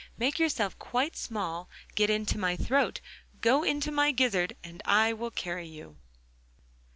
Make yourself quite small, get into my throat—go into my gizzard and I will carry you.